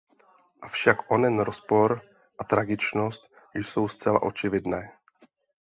Avšak onen rozpor a tragičnost jsou zcela očividné.